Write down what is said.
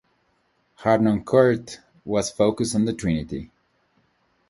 Harnoncourt was focused on the Trinity.